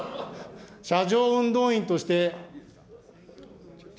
車上運動員として。